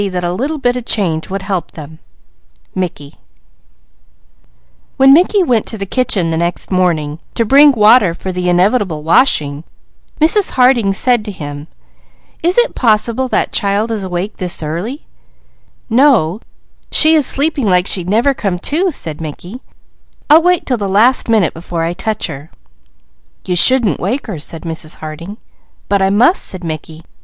CHAPTER XVI The Fingers in the Pie When Mickey went the following morning to bring water for the inevitable washing, Mrs. Harding said to him: "Is it possible that child is awake this early?" "No. She is sleeping like she'd never come to," said Mickey. "I'll wait 'til the last minute before I touch her." "You shouldn't wake her," said Mrs. Harding. "But I must," said Mickey.